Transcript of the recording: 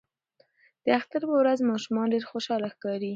د اختر په ورځ ماشومان ډیر خوشاله ښکاري.